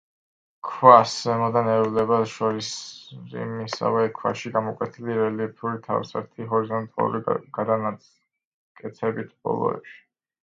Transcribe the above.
ქვას ზემოდან ევლება შირიმისავე ქვაში გამოკვეთილი რელიეფური თავსართი ჰორიზონტალური გადანაკეცებით ბოლოებში.